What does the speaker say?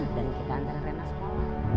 dan kita antar reina sekolah